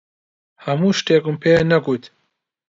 هەموو شتێکم پێ نەگوت.